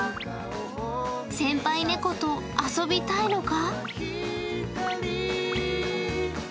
先輩猫と遊びたいのか。